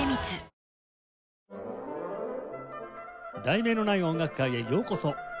『題名のない音楽会』へようこそ。